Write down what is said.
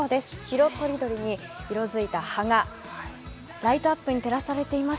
色とりどりに色づいた葉がライトアップに照らされています